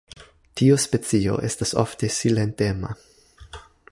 Tiu specio estas ofte silentema.